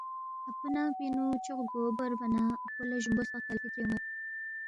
اپو ننگ پِنگ نُو چوق گو بوربا نہ اپو لہ جُومبو سپق کلفی تری اون٘ید